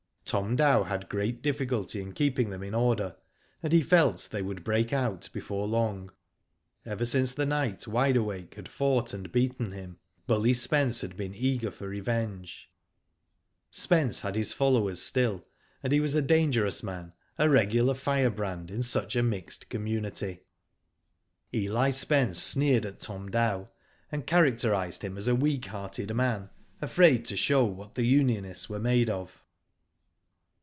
Tom Djw had great difficulty in keeping them in order, and he felt they would break out before long. Ever since the night Wide Awake had fought and beaten him. Bully Spence had been eager for revenge. Spence had his followers still, and he was a dangerous man, a regular firebrand, in such a mixed community. Digitized byGoogk 128 WHO DID ITf Eli Spence sneered at Tom Dow, and charac terised him as a weak hearted man, afraid to show what the unionists were made of.